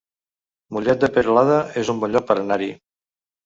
Mollet de Peralada es un bon lloc per anar-hi